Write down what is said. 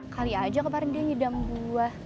kali aja kemarin dia nyidam buah